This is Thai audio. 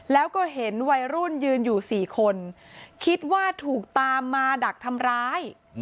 แล้วก็เห็นวัยรุ่นยืนอยู่๔คนคิดว่าถูกตามมาดักทำร้าย